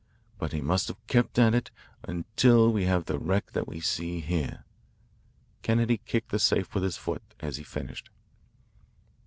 But he must have kept at it until we have the wreck that we see here," and Kennedy kicked the safe with his foot as he finished.